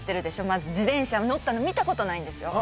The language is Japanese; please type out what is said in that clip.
まず自転車乗ったの見たことないんですよ